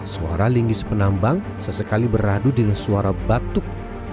suara linggis penambang sesekali beradu dengan suara batuk